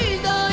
điềm tin nơi